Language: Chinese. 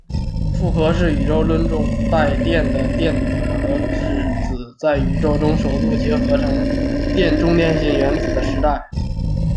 复合是宇宙论中带电的电子和质子在宇宙中首度结合成电中性氢原子的时代。